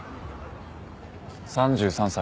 ３３歳。